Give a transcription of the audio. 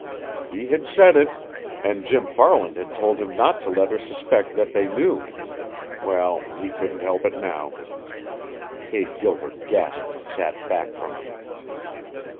He had said it! And Jim Farland had told him not to let her suspect that they knew. Well, he couldn't help it now. Kate Gilbert gasped and sat back from him.